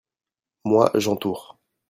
moi, j'entoure.